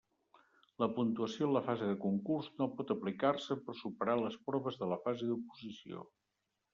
La puntuació en la fase de concurs no pot aplicar-se per superar les proves de la fase d'oposició.